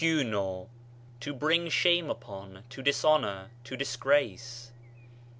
καταισχύνω, to bring shame upon, to dishonor, to disgrace.